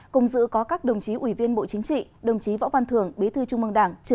cùng dự có các đồng chí ủy viên bộ chính trị đồng chí võ văn thường bí thư trung mong đảng